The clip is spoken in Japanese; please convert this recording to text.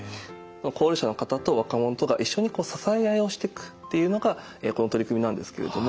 高齢者の方と若者とが一緒に支え合いをしていくっていうのがこの取り組みなんですけれども。